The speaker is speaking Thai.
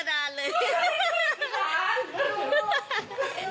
โอ้ที่นั่นแหละ